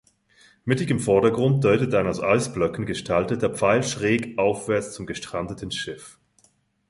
Mittig im Vordergrund deutet ein aus Eisblöcken gestalteter Pfeil schräg aufwärts zum gestrandeten Schiff.